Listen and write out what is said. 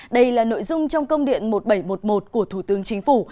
đây là nội dung trong công điện một nghìn bảy trăm một mươi một của thủ tướng chính phủ